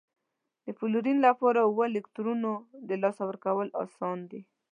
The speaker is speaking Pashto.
د فلورین لپاره اوو الکترونو د لاسه ورکول اسان دي؟